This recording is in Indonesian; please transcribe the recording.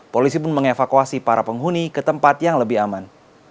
polisi pun mengevakuasi para penghuni ke tempat yang lebih aman